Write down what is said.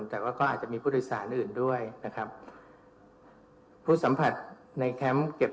แต่ก็อาจจะมีผู้โดยสารอื่นด้วยนะครับ